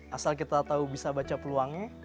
asal kita tahu bisa baca peluangnya